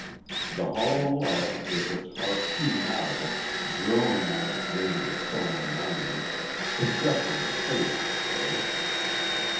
The hollow log, with its heart hewn out of it, groaning on its way to the sown land, suggested the fate of the forest.